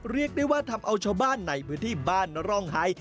เรียกได้ว่าทำเอาชาวบ้านในพื้นที่บ้านร่องไฮ